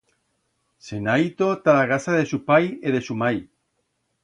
Se'n ha ito ta la casa de su pai e de su mai.